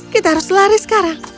kita harus lari sekarang